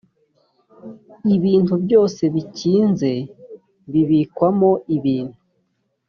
ibintu byose bikinze bibikwamo ibintu